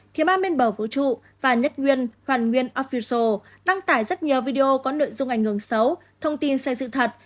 thiếu ma miên bầu vũ trụ và nhất nguyên hoàn nguyên official đăng tải rất nhiều video có nội dung ảnh hưởng xấu thông tin xây dự thật